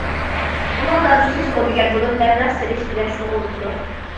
ئۇنىڭ دادىسى سودىگەر بولۇپ، مەبلەغ سېلىش بىلەن شۇغۇللىنىدۇ.